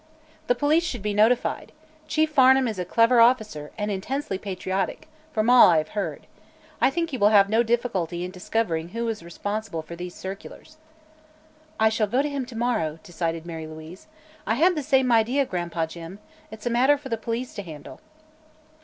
"The police should be notified. Chief Farnum is a clever officer and intensely patriotic, from all I have heard. I think he will have no difficulty in discovering who is responsible for these circulars." "I shall go to him to morrow," decided Mary Louise. "I had the same idea, Gran'pa Jim; it's a matter for the police to handle."